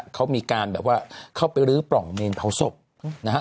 เขามีการแบบว่าเข้าไปรื้อปล่องเมนเผาศพนะฮะ